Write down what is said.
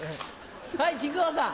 はい木久扇さん。